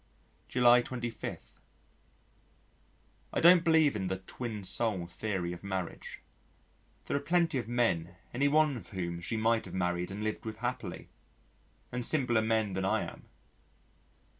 July 25. I don't believe in the twin soul theory of marriage. There are plenty of men any one of whom she might have married and lived with happily, and simpler men than I am.